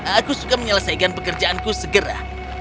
aku suka menyelesaikan pekerjaanku segera